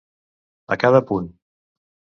A cada punt.